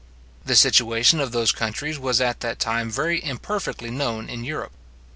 The situation of those countries was at that time very imperfectly known in Europe.